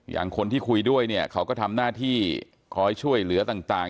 คนที่คุยด้วยเนี่ยเขาก็ทำหน้าที่คอยช่วยเหลือต่าง